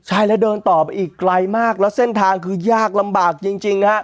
ใช่แล้วเดินต่อไปอีกไกลมากแล้วเส้นทางคือยากลำบากจริงนะฮะ